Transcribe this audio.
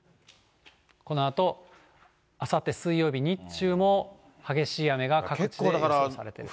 このあと、あさって水曜日、日中も激しい雨が各地でかかっています。